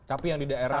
tapi yang di daerah